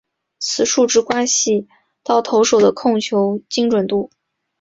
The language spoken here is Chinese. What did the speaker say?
此数值关系到投手的控球精准度。